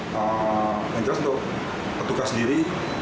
yang jelas untuk petugas sendiri